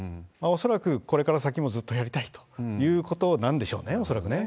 恐らくこれから先もずっとやりたいということなんでしょうね、恐らくね。